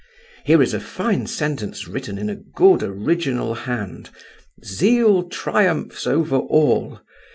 Here is a fine sentence, written in a good, original hand—'Zeal triumphs over all.